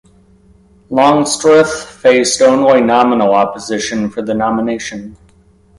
Longstreth faced only nominal opposition for the nomination.